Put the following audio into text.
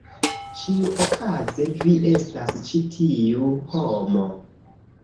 Ĉiuokaze vi estas ĉi tiu homo.